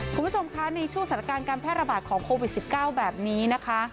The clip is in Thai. คุณผู้ชมคะในช่วงสถานการณ์การแพร่ระบาดของโควิด๑๙แบบนี้นะคะ